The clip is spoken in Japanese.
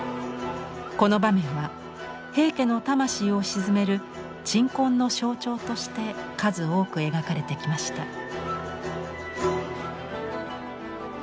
この場面は平家の魂を鎮める鎮魂の象徴として数多く描かれてきました。